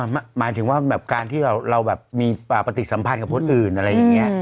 หมายถึงว่าแบบการที่เราแบบมีปฏิสัมพันธ์กับคนอื่นอะไรอย่างนี้